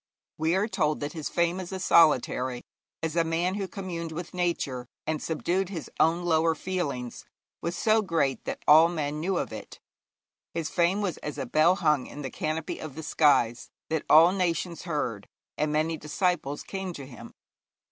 We are told that his fame as a solitary, as a a man who communed with Nature, and subdued his own lower feelings, was so great that all men knew of it. His fame was as a 'bell hung in the canopy of the skies,' that all nations heard; and many disciples came to him.